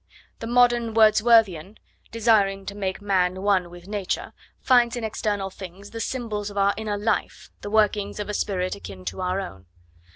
The modern Wordsworthian, desiring to make man one with Nature, finds in external things 'the symbols of our inner life, the workings of a spirit akin to our own.'